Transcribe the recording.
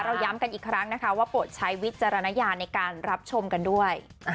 ย้ำกันอีกครั้งนะคะว่าโปรดใช้วิจารณญาณในการรับชมกันด้วย